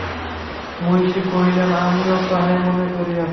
মহিষী কহিলেন, আমিও তাহাই মনে করিয়াছি।